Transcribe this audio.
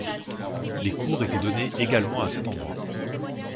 Les cours étaient donnés également à cet endroit.